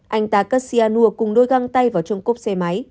anh ta cất cyanur cùng đôi găng tay vào trong cốc